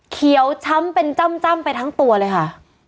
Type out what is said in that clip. เขียวช้ำเป็นจ้ำไปทั้งตัวเลยค่ะ